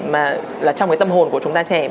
mà trong tâm hồn của chúng ta trẻ